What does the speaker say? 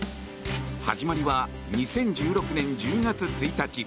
始まりは２０１６年１０月１日。